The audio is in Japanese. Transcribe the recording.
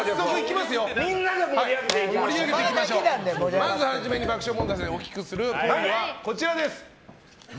まず初めに爆笑問題さんにお聞きするぽい案はこちらです。